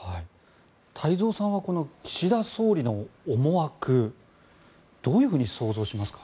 太蔵さんはこの岸田総理の思惑どういうふうに想像しますか？